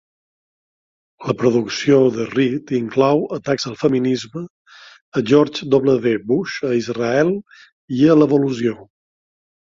La producció de Reed inclou atacs al feminisme, a George W. Bush, a Israel i a l'evolució.